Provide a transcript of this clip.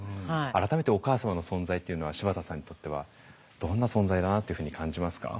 改めてお母様の存在っていうのは柴田さんにとってはどんな存在だなっていうふうに感じますか？